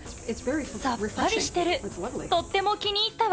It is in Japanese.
さっぱりしてる。